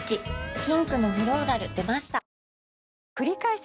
ピンクのフローラル出ましたくりかえす